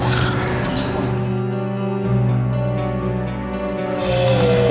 ya terima kasih pak